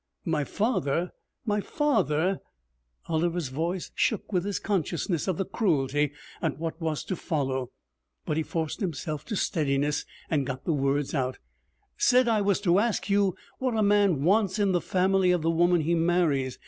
My father my father' Oliver's voice shook with his consciousness of the cruelty of what was to follow, but he forced himself to steadiness and got the words out 'said I was to ask you what a man wants in the family of the woman he marries.